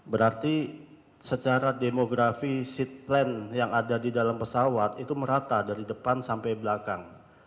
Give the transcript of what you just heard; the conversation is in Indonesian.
berarti secara demografi seat plan yang ada di dalam pesawat itu merata dari depan sampai belakang